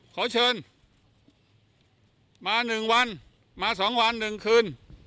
ขอเชิญมาหนึ่งวันมาสองวันหนึ่งคืน